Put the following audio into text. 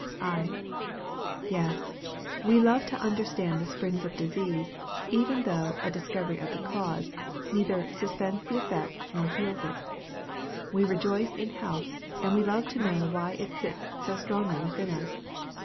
I. Yes; we love to understand the springs of disease, even though "a discovery of the cause" neither "suspends the effect, nor heals it." We rejoice in health, and we love to know why it sits so strongly within us.